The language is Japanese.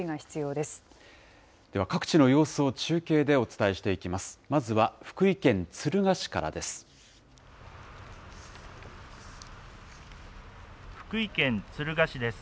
では、各地の様子を中継でお伝えしていきます。